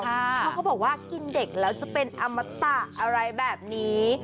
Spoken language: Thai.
เพราะเขาบอกว่ากินเด็กแล้วจะเป็นอมตะอะไรแบบนี้